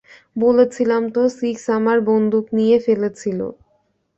বলেছিলাম তো সিক্স আমার বন্দুক নিয়ে ফেলেছিল।